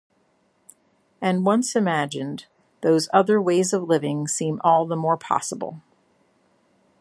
And once imagined, those other ways of living seem all the more possible.